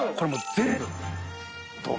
全部？